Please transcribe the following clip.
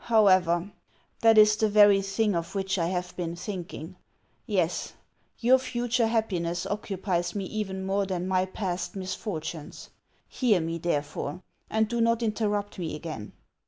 "However, that is the very thing of which I have been thinking. Yes, your future happiness occupies me even more than my past misfortunes ; hear me, therefore, and do not interrupt me again.